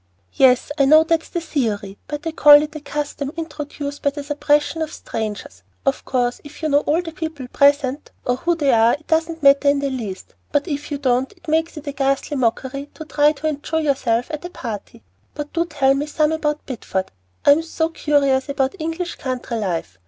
"Yes, I know that's the theory, but I call it a custom introduced for the suppression of strangers. Of course, if you know all the people present, or who they are, it doesn't matter in the least; but if you don't, it makes it a ghastly mockery to try to enjoy yourself at a party. But do tell me some more about Bideford. I'm so curious about English country life.